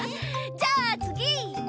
じゃあつぎ！